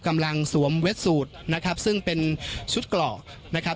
กำลังสวมเว็ดสูตรนะครับซึ่งเป็นชุดกรอกนะครับ